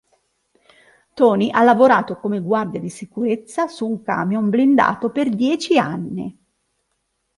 Toni ha lavorato come guardia di sicurezza su un camion blindato per dieci anni.